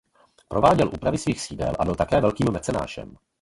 Prováděl úpravy svých sídel a byl také velkým mecenášem.